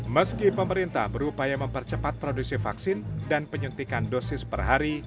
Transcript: meski pemerintah berupaya mempercepat produksi vaksin dan penyuntikan dosis per hari